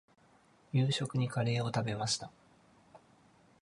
夕食にカレーを食べました。